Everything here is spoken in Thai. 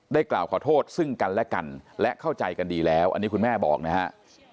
กล่าวขอโทษซึ่งกันและกันและเข้าใจกันดีแล้วอันนี้คุณแม่บอกนะฮะ